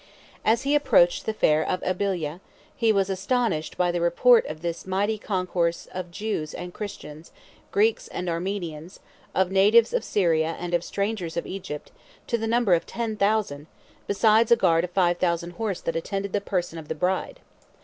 As he approached the fair of Abyla, he was astonished by the report of this mighty concourse of Jews and Christians, Greeks, and Armenians, of natives of Syria and of strangers of Egypt, to the number of ten thousand, besides a guard of five thousand horse that attended the person of the bride.